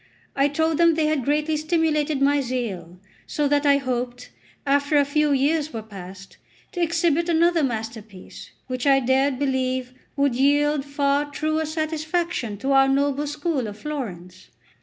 I told them they had greatly stimulated my zeal, so that I hoped, after a few years were passed, to exhibit another masterpiece, which I dared believe would yield far truer satisfaction to our noble school of Florence.